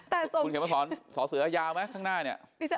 แต่สมคิตคุณเขียนให้สองสอเสือยาวไหมข้างหน้านี่